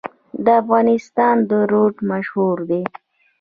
د افغانستان روټ مشهور دی